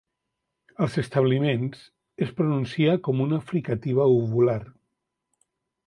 Als establiments, es pronuncia com una fricativa uvular.